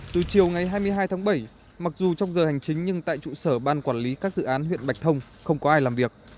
từ chiều ngày hai mươi hai tháng bảy mặc dù trong giờ hành chính nhưng tại trụ sở ban quản lý các dự án huyện bạch thông không có ai làm việc